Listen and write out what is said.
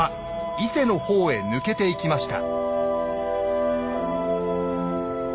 伊勢の方へ抜けていきました。